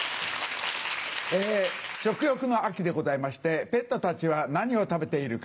え食欲の秋でございましてペットたちは何を食べているか。